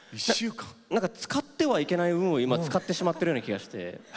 なんか、使ってはいけない運を使ってしまってるような気がして。